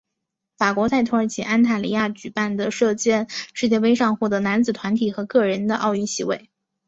法国在土耳其安塔利亚举办的射箭世界杯上获得男子团体和个人的奥运席位。